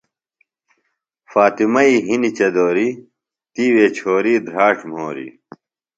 فاطمئی ہِنیۡ چدوریۡ، تِیوےۡ چھوری دھراڇ مُھوریۡ